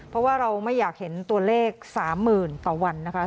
เพราะว่าเราไม่อยากเห็นตัวเลข๓๐๐๐ต่อวันนะคะ